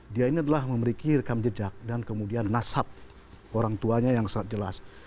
dia ini adalah memiliki rekam jejak dan kemudian nasab orang tuanya yang sangat jelas